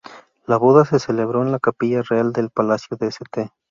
La boda se celebró en la Capilla Real del Palacio de St.